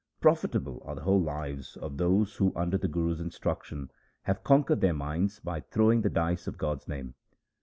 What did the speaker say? Profitable are the whole lives of those who under the Guru's instruction have conquered their minds by throwing the dice of God's name.